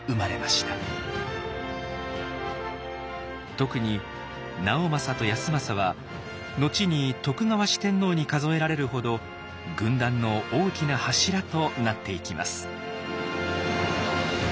特に直政と康政は後に徳川四天王に数えられるほど軍団の大きな柱となっていきます。